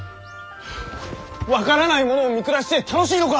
分からない者を見下して楽しいのか！？